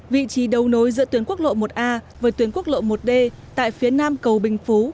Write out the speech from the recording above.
vị trí đấu nối giữa tuyến quốc lộ một a với tuyến quốc lộ một d tại phía nam cầu bình phú